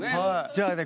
じゃあね